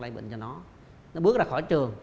lây bệnh cho nó nó bước ra khỏi trường